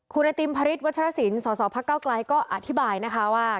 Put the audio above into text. คุณไอติมพระฤทธวัชรสินสสพักเก้าไกลก็อธิบายนะคะว่า